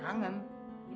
kangen apa pak